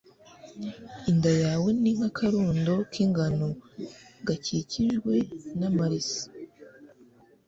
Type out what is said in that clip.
inda yawe ni nk'akarundo k'ingano gakikijwe n'amalisi